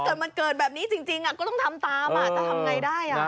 เกิดมันเกิดแบบนี้จริงก็ต้องทำตามจะทำไงได้